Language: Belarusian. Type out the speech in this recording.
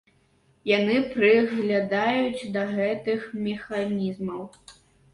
Яны прыглядаюцца да гэтых механізмаў.